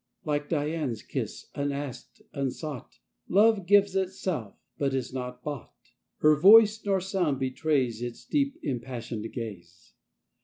Like Dian's kiss, unasked, unsought, Love gives itself, but is not bought ; 15 Nor voice, nor sound betrays Its deep, impassioned ga/e.